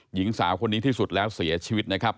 หญิงสาวคนนี้ที่สุดแล้วเสียชีวิตนะครับ